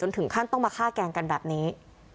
ถึงขั้นต้องมาฆ่าแกล้งกันแบบนี้